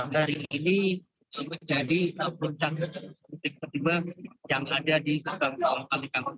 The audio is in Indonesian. dari ini menjadi rencana yang ada di ketengah kalikan